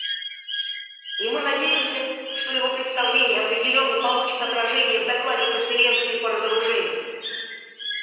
И мы надеемся, что его представление определенно получит отражение в докладе Конференции по разоружению.